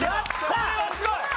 これはすごい！